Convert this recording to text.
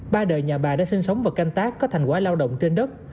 ba đời nhà bà đã sinh sống và canh tác có thành quả lao động trên đất